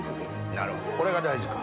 なるほどこれが大事か。